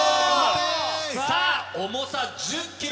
さあ、重さ１０キロ。